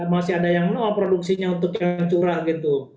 masih ada yang noah produksinya untuk yang curah gitu